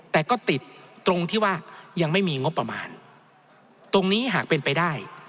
แต่ก็ติดตรงที่ว่ายังไม่มีงบประมาณตรงนี้หากเป็นไปได้